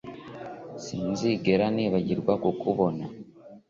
Sinzigera nibagirwa kukubona